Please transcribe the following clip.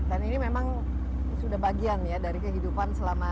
ada bagian ya dari kehidupan selama ini